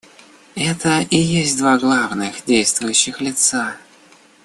Это и есть два главных действующих лица.